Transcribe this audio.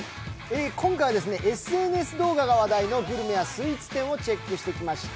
今回はＳＮＳ動画が話題のグルメやスイーツ店をチェックしてきました。